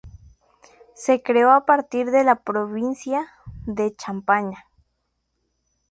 Se creó a partir de la provincia de Champaña.